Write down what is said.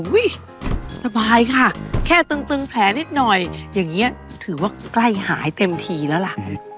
สบายค่ะแค่ตึงแผลนิดหน่อยอย่างนี้ถือว่าใกล้หายเต็มทีแล้วล่ะ